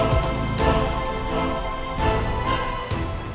punyanya elsa kan pak